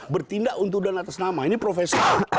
bertindak untuk dan atas nama ini profesi